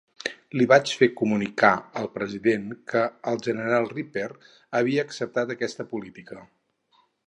Li vaig fer comunicar al president que el general Ripper havia acceptat aquesta política.